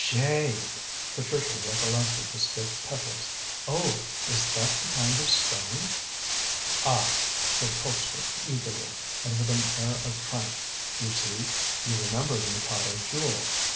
"Jade!" Patricia recollected the stiff petals. "Oh, is that the kind of stone?" "Ah!" said Colpster eagerly and with an air of triumph. "You see, you remember the Mikado Jewel.